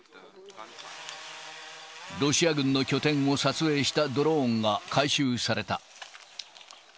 ロシア軍の拠点を撮影したドローンが回収された。